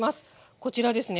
こちらですね。